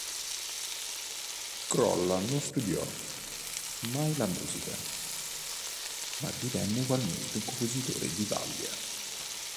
Crolla non studiò mai la musica, ma divenne ugualmente un compositore di vaglia.